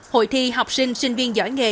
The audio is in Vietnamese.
hội thi học sinh sinh viên giỏi nghề